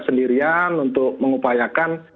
sendirian untuk mengupayakan